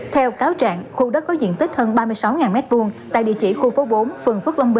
theo cáo trạng khu đất có diện tích hơn ba mươi sáu m hai tại địa chỉ khu phố bốn phường phước long ba